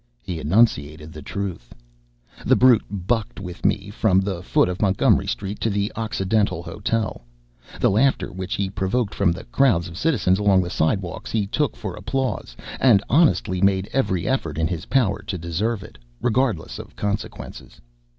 He enunciated the truth. The brute "bucked" with me from the foot of Montgomery street to the Occidental Hotel. The laughter which he provoked from the crowds of citizens along the sidewalks he took for applause, and honestly made every effort in his power to deserve it, regardless of consequences.